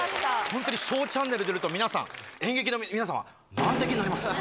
本当にＳＨＯＷチャンネル出ると、皆さん、演劇の皆様、満席になります。